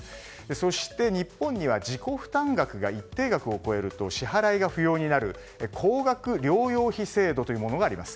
そして日本には自己負担額が一定額を超えると支払いが不要になる高額療養費制度というものがあります。